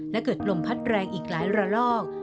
และเกิดลมพัดแรงอีกหลายระลอก